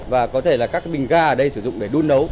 và có thể là các bình ga ở đây sử dụng để đun nấu